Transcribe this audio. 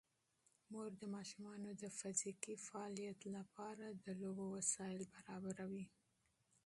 مور د ماشومانو د فزیکي فعالیت لپاره د لوبو وسایل برابروي.